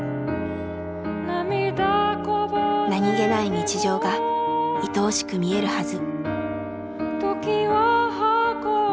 何気ない日常がいとおしく見えるはず。